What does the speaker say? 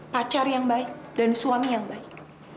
pacar yang baik dan suami yang baik